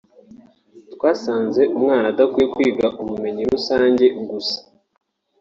twasanze umwana adakwiye kwiga ubumenyi rusange gusa